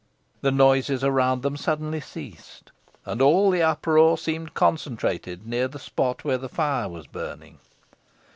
The noises around them suddenly ceased, and all the uproar seemed concentrated near the spot where the fire was burning.